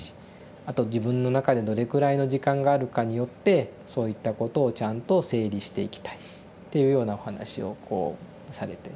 あと自分の中でどれくらいの時間があるかによってそういったことをちゃんと整理していきたい」っていうようなお話をこうされて。